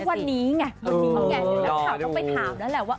ก็วันนี้ไงวันนี้ไงแล้วเขาต้องไปถามแล้วแหละว่า